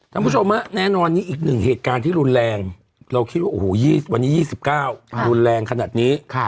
คุณผู้ชมแน่นอนนี้อีกหนึ่งเหตุการณ์ที่รุนแรงเราคิดว่าโอ้โหวันนี้๒๙รุนแรงขนาดนี้